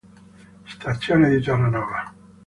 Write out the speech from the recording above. Stazione di Terranova